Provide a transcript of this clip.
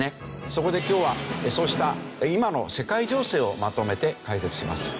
そこで今日はそうした今の世界情勢をまとめて解説します。